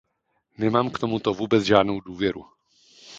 Nemám k tomuto vůbec žádnou důvěru.